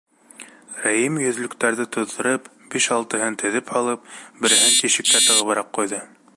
Рәим йөҙлөктәрҙе туҙҙырып, биш-алтыһын теҙеп һалып, береһен тишеккә тығыбыраҡ ҡуйҙы.